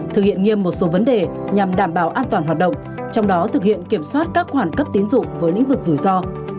thực hiện nghiêm một số vấn đề nhằm đảm bảo an toàn hoạt động trong đó thực hiện kiểm soát các khoản cấp tín dụng với lĩnh vực rủi ro